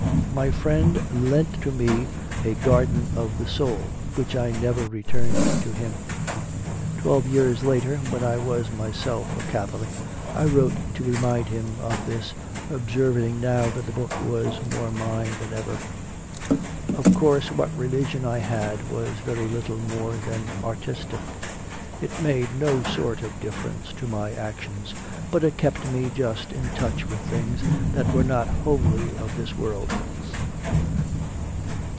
My friend lent to me a " Garden of the Soul/ which I never returned to him. Twelve years later, when I was myself a Catholic, I wrote to remind him of this, observing that now the book was more mine than ever. Of course what religion I had was very little more than artistic; it made no sort of difference to my actions, but it kept me just in touch with things that were not wholly of this world.